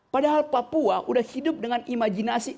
padahal papua udah hidup dengan imajinasi